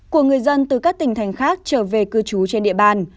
của người dân từ các tỉnh thành khác trở về cư trú trên địa bàn